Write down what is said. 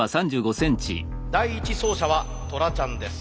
第１走者はトラちゃんです。